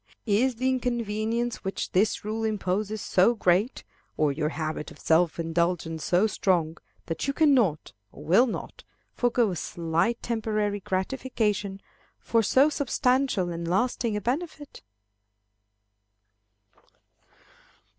Is the inconvenience which this rule imposes so great, or your habit of self indulgence so strong, that you cannot, or will not, forego a slight temporary gratification for so substantial and lasting a benefit?